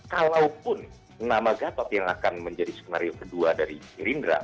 kalaupun nama gatot yang akan menjadi skenario kedua dari gerindra